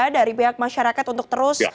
dari pihak masyarakat untuk terus